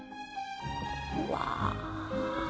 うわ。